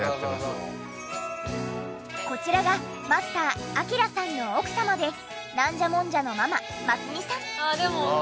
こちらがマスター章さんの奥様でなんじゃもんじゃのママ益實さん。